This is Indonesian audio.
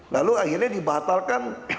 lalu akhirnya dibatalkan